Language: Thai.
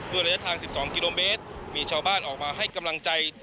ระยะทาง๑๒กิโลเมตรมีชาวบ้านออกมาให้กำลังใจ